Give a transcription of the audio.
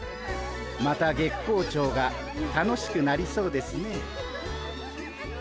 また月光町が楽しくなりそうですね。